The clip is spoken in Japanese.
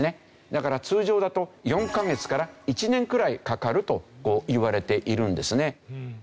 だから通常だと４カ月から１年くらいかかるといわれているんですね。